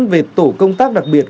về tổ công tác đặc biệt